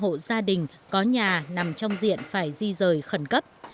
hộ mù căng trải có hai mươi chín nhà nằm trong diện phải di rời khẩn cấp